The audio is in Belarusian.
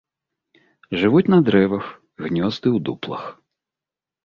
Жывуць на дрэвах, гнёзды ў дуплах.